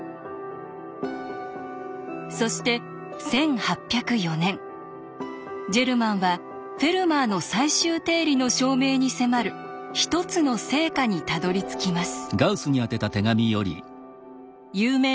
そして１８０４年ジェルマンは「フェルマーの最終定理」の証明に迫る一つの成果にたどりつきます。